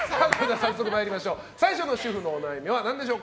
早速参りましょう。